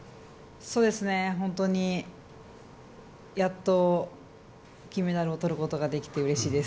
本当にやっと金メダルを取ることができてうれしいです。